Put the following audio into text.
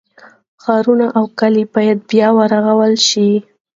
ښارونه او کلي باید بیا ورغول شي.